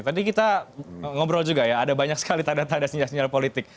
tadi kita ngobrol juga ya ada banyak sekali tanda tanda sinyal sinyal politik